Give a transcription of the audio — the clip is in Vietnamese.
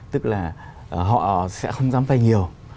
tức là họ sẽ không dám vay nhiều